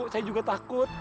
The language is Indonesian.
saya juga takut